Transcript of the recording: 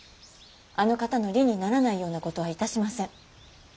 あの方の利にならないようなことはいたしません。